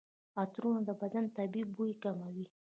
عطرونه د بدن طبیعي بوی کموي.